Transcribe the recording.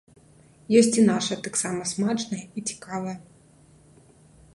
Ёсць і наша, таксама смачнае і цікавае.